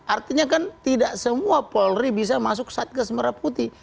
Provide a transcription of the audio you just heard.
artinya kan tidak semua polri bisa masuk satgas merah putih